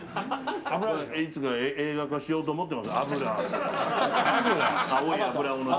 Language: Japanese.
いつか映画化しようと思っています。